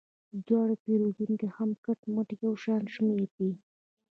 د دواړو پیرودونکي هم په کټ مټ یو شان شمیر دي.